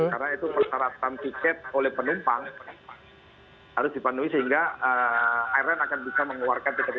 karena itu persyaratan tiket oleh penumpang harus dipandu sehingga rn akan bisa mengeluarkan tiket ini sendiri